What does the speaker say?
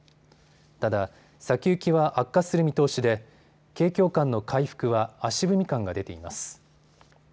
ただ、先行きは悪化する見通しで景況感の回復は足踏み感が出ています。